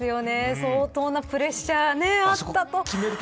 相当なプレッシャーあったと。